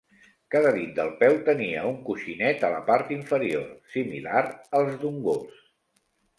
Cada dit del peu tenia un coixinet a la part inferior, similar als d'un gos.